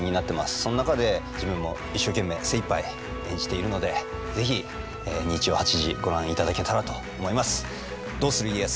その中で自分も一生懸命精いっぱい演じているので是非日曜８時ご覧いただけたらと思います。